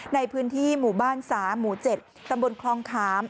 ในพื้นที่หมู่บ้าน๓หมู่๗ตำบลคลองขาม